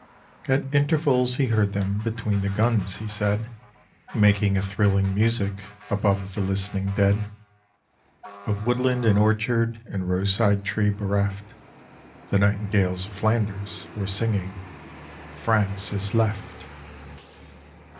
At intervals he heard them Between the guns, he said, Making a thrilling music Above the listening dead. Of woodland and of orchard And roadside tree bereft, The nightingales of Flanders Were singing, France is left!